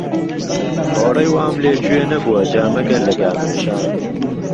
هۆڕهی وام لێ گوێ نهبووه جا مهگهر له گامێشان